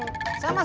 belum sampai pasar